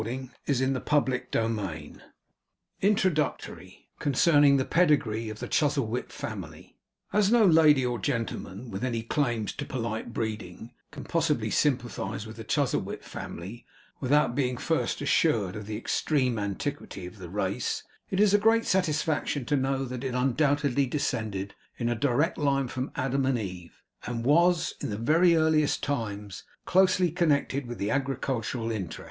CHARLES DICKENS. May, 1868. CHAPTER ONE INTRODUCTORY, CONCERNING THE PEDIGREE OF THE CHUZZLEWIT FAMILY As no lady or gentleman, with any claims to polite breeding, can possibly sympathize with the Chuzzlewit Family without being first assured of the extreme antiquity of the race, it is a great satisfaction to know that it undoubtedly descended in a direct line from Adam and Eve; and was, in the very earliest times, closely connected with the agricultural interest.